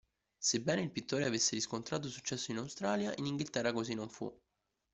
Sebbene il pittore avesse riscontrato successo in Australia, in Inghilterra così non fu.